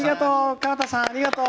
川田さん、ありがとう！